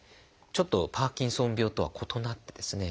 ちょっとパーキンソン病とは異なってですね